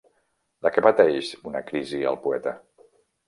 De què pateix una crisi el poeta?